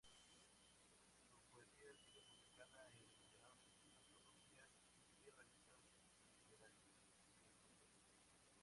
Su poesía ha sido publicada en innumerables antologías y revistas literarias del continente.